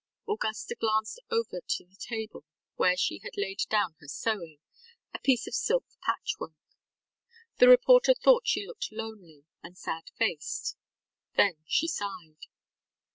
ŌĆØ Augusta glanced over to the center table where she had laid down her sewing, a piece of silk patchwork. The reporter thought she looked lonely and sad faced. Then she sighed.